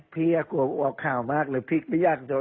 เพราะว่าตอนแรกมีการพูดถึงนิติกรคือฝ่ายกฎหมาย